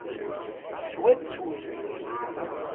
Ttwattun.